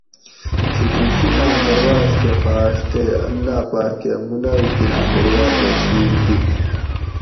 کِھیکی شیٹاٞں درواٞز کٞہ پھاٞݭ تے اللّٰہ پاۤکٞہ ملائیکی آٞں ذریعاٞ دہ شِید دِت